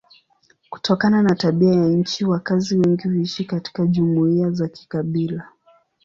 Kutokana na tabia ya nchi wakazi wengi huishi katika jumuiya za kikabila.